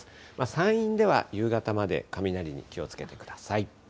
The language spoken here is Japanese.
山陰では夕方まで雷に気をつけてください。